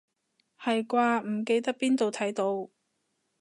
係啩，唔記得邊度睇到